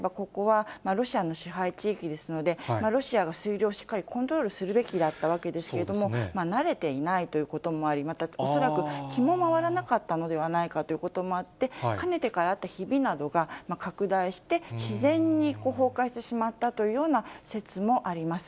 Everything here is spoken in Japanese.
本来であれはここは、ロシアの支配地域ですので、ロシアが水量をしっかりコントロールするべきだったんですけれども、慣れていないということもあり、また恐らく、気も回らなかったのではないかということもあって、かねてからあったひびなどが拡大して、自然に崩壊してしまったというような説もあります。